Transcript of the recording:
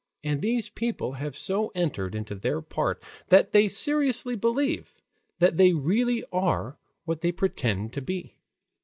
And these people have so entered into their part that they seriously believe that they really are what they pretend to be.